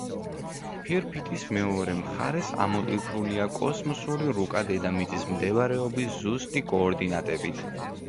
ფირფიტის მეორე მხარეს ამოტვიფრულია კოსმოსური რუკა დედამიწის მდებარეობის ზუსტი კოორდინატებით.